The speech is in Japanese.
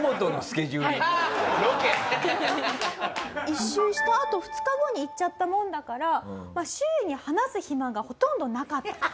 一周したあと２日後に行っちゃったもんだから周囲に話す暇がほとんどなかったと。